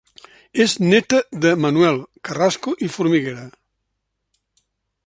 És néta de Manuel Carrasco i Formiguera.